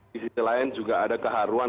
di sisi lain juga ada keharuan